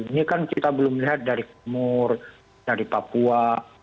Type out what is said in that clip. ini kan kita belum lihat dari timur dari papua